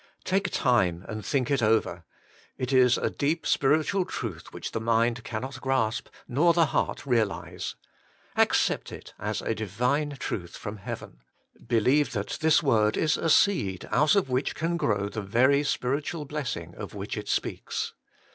Take time and think it over. It is a deep spiritual truth which the mind cannot grasp nor the heart realise. Accept it as a Divine truth from heaven; believe that this word is a seed out of which can grow the very spiritual blessing of which it speaks.